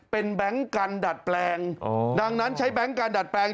เป็นแบล็งกันดัดแปลงอ๋อดังนั้นใช้แบล็งกันดัดแปลง